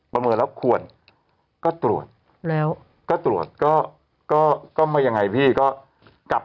บังเกินแล้วควรก็ตรวจก็ตรวจก็ก็ก็ไม่ยังไงพี่ก็กลับ